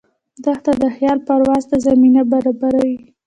دښته د خیال پرواز ته زمینه برابروي.